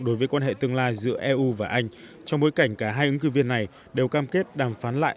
đối với quan hệ tương lai giữa eu và anh trong bối cảnh cả hai ứng cử viên này đều cam kết đàm phán lại